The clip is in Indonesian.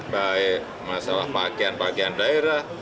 baik masalah pakaian pakaian daerah